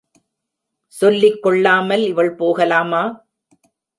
சொல்லிக் கொள்ளாமல் இவள் போகலாமா?